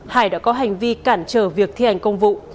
hải đã có hành vi cản trở việc thi hành công vụ